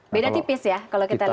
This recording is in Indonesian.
beda tipis ya kalau kita lihat